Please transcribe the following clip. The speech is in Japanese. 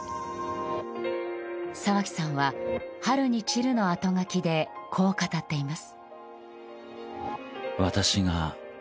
沢木さんは「春に散る」のあとがきでこう語っています。